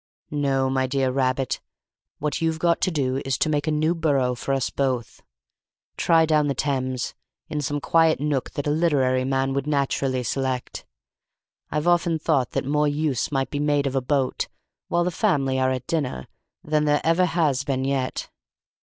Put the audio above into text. "No, my dear rabbit, what you've got to do is to make a new burrow for us both. Try down the Thames, in some quiet nook that a literary man would naturally select. I've often thought that more use might be made of a boat, while the family are at dinner, than there ever has been yet.